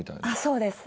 そうです。